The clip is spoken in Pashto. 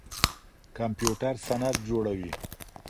کمپيوټر سند جوړوي.